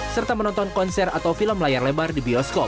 serta menonton konser atau film layar lebar di bioskop